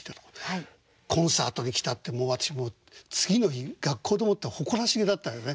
コンサートに来たって私もう次の日学校でもって誇らしげだったよね。